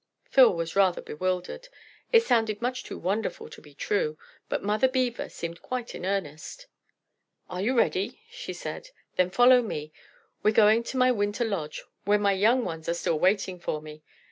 Phil was rather bewildered; it sounded much too wonderful to be true, but Mother Beaver, seemed quite in earnest. "Are you ready?" she said. "Then follow me. We're going to my winter lodge, where my young ones are still waiting for me.